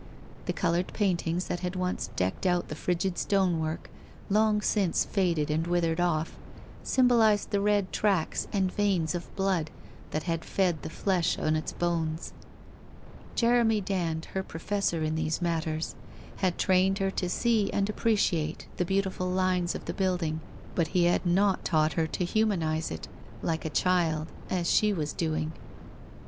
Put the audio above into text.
The coloured paintings that had once decked out the frigid stonework, long since faded and withered off, symbolized the red tracks and veinings of blood that had fed the flesh on its bones. Jeremy Dand, her professor in these matters, had trained her to see and appreciate the beautiful lines of the building, but he had not taught her to humanize it, like a child, as she was doing.